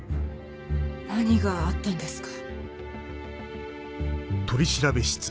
何があったんですか？